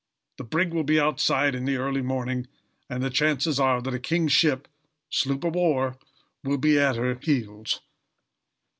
The brig will be outside in the early morning, and the chances are that a king's ship sloop of war will be at her heels.